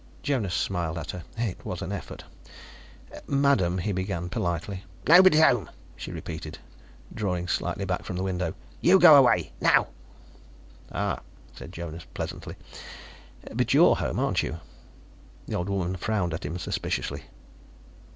Jonas smiled at her. It was an effort. "Madam " he began politely. "Nobody's home," she repeated, drawing slightly back from the window. "You go away, now." "Ah," Jonas said pleasantly. "But you're home, aren't you?" The old woman frowned at him suspiciously.